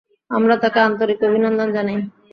আমরা তাঁকে আন্তরিক অভিনন্দন জানাই।